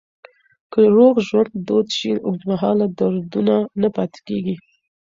که روغ ژوند دود شي، اوږدمهاله دردونه نه پاتې کېږي.